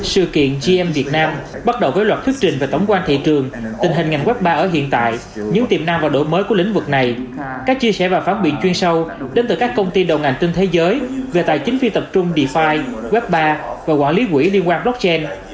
sự kiện gm việt nam bắt đầu với loạt thuyết trình về tổng quan thị trường tình hình ngành web bar ở hiện tại những tiềm năng và đổi mới của lĩnh vực này các chia sẻ và phán biện chuyên sâu đến từ các công ty đầu ngành trên thế giới về tài chính phi tập trung defy web ba và quản lý quỹ liên quan blockchain